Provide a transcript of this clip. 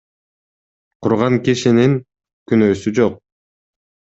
Курган кишинин күнөөсү жок.